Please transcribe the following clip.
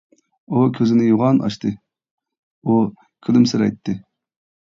ئۇ كۆزىنى يوغان ئاچتى، ئۇ كۈلۈمسىرەيتتى.